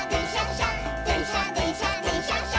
しゃでんしゃでんしゃでんしゃっしゃ」